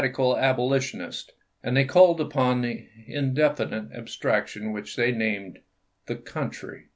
cal Abolitionists ; and they called upon the indef inite abstraction which they named the "country" lew.